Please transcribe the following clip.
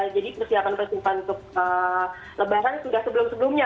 jadi persiapan persiapan untuk lebaran sudah sebelum sebelumnya